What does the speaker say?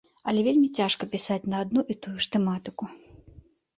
Але вельмі цяжка пісаць на адну і тую ж тэматыку.